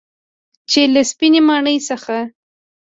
چې له سپینې ماڼۍ څخه